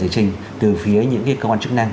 giải trình từ phía những cơ quan chức năng